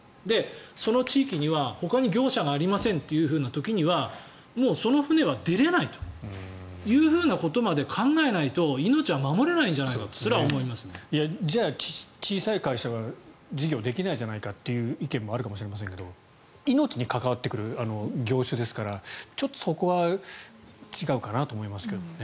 その地域にはほかに業者がありませんという時はもうその船は出れないということまで考えないとじゃあ、小さい会社が事業ができないじゃないかという意見があるかもしれませんが命に関わってくる業種ですからちょっとそこは違うかなと思いますけれどね。